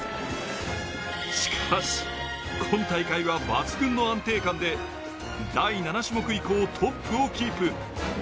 しかし、今大会は抜群の安定感で第７種目以降、トップをキープ。